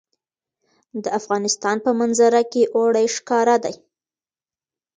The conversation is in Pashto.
د افغانستان په منظره کې اوړي ښکاره ده.